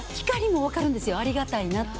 ありがたいなって。